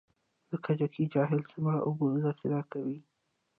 د کجکي جهیل څومره اوبه ذخیره کوي؟